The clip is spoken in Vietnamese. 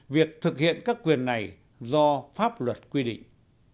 việc thực hiện các quyền này do pháp luật quy định